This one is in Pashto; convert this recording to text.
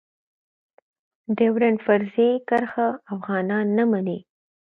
ډيورنډ فرضي کرښه افغانان نه منی.